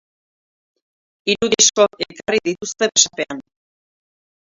Hiru disko ekarri dituzte besapean.